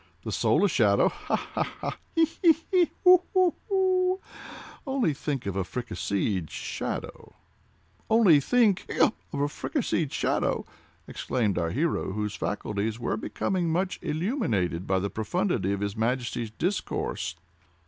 The soul a shadow; Ha! ha! ha!—he! he! he!—hu! hu! hu! Only think of a fricasseed shadow!" "Only think—hiccup!—of a fricasséed shadow!" exclaimed our hero, whose faculties were becoming much illuminated by the profundity of his Majesty's discourse.